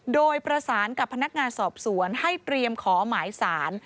โดยประสานกับพนักงานสอบสวนให้เตรียมขอหมายสาร